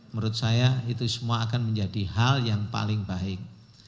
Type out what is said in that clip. menurut saya itu semua akan menjadi hal yang paling baik